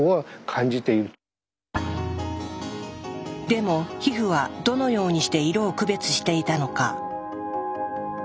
でも皮膚はどのようにして色を区別していたのか。